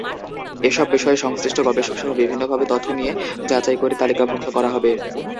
এসব বিষয়ে সংশ্লিষ্ট গবেষকসহ বিভিন্নভাবে তথ্য নিয়ে যাচাই করে তালিকাভুক্ত করা হবে।